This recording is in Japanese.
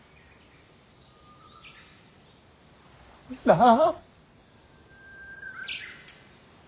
なあ。